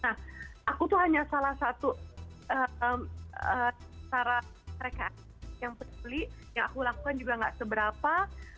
nah aku tuh hanya salah satu cara mereka yang peduli yang aku lakukan juga gak seberapa